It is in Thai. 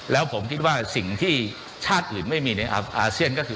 แล้วผมคิดว่าสิ่งที่ชาติอื่นไม่มีในอาเซียนก็คือ